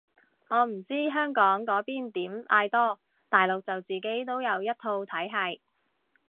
我唔知香港嗰邊點嗌多，大陸就自己都有一套體係